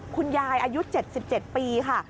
คุณยายอายุ๗๗ปีค่ะ